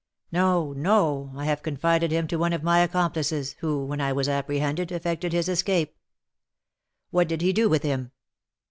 "No, no! I have confided him to one of my accomplices, who, when I was apprehended, effected his escape." "What did he do with him?"